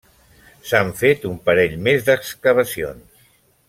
S'han fet un parell més d'excavacions.